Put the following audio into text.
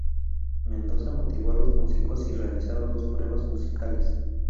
Mendoza motivó a los músicos y realizaron dos pruebas musicales.